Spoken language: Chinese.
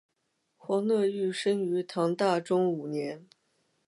黄讷裕生于唐大中五年。